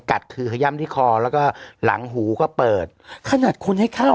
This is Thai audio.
กัดคือขยำที่คอแล้วก็หลังหูก็เปิดขนัดคจะห้องมันกิน